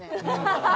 ハハハハ！